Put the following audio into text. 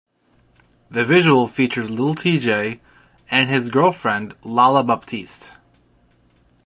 The visual features Lil Tjay and his girlfriend Lala Baptiste.